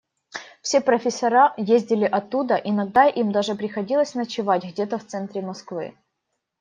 Все профессора ездили оттуда, иногда им даже приходилось ночевать где-то в центре Москвы.